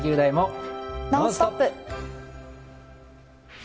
「ノンストップ！」。